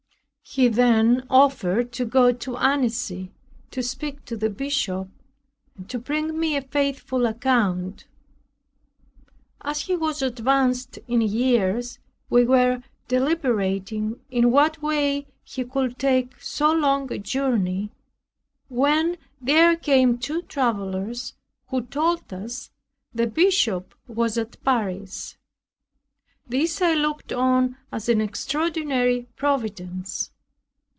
He then offered to go to Annecy, to speak to the Bishop, and to bring me a faithful account. As he was advanced in years, we were deliberating in what way he could take so long a journey, when there came two travelers, who told us the Bishop was at Paris. This I looked on as an extraordinary providence.